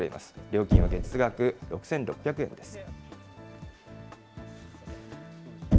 料金は月額６６００円です。